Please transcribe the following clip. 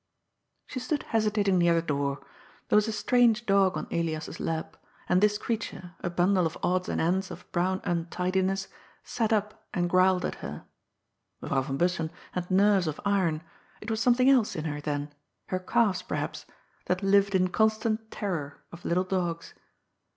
She stood hesitating near the door. There was a strange dog on Elias's lap, and this creature, a bundle of odds and ends of brown untidiness, sat up and growled at her. Mevrouw van Bussen had nerves of iron; it was something else in her then — ^her calves, perhaps — ^that lived in constant terror of little dogs.